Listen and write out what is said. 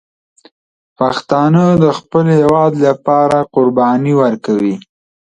پښتانه د خپل هېواد لپاره قرباني ورکوي.